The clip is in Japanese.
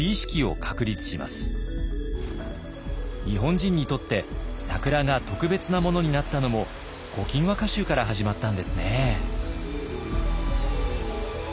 日本人にとって桜が特別なものになったのも「古今和歌集」から始まったんですね。